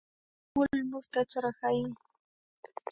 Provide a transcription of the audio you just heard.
دا فارمول موږ ته څه راښيي.